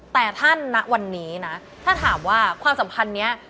แต่ถ้าณวันนี้นะถ้าถามว่าความสัมพันธ์นี้